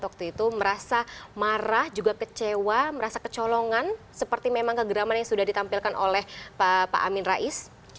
waktu itu merasa marah juga kecewa merasa kecolongan seperti memang kegeraman yang sudah ditampilkan oleh pak amin rais